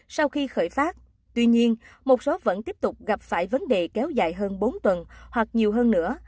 sau khi khởi phát tuy nhiên một số vẫn tiếp tục gặp phải vấn đề kéo dài hơn bốn tuần hoặc nhiều hơn nữa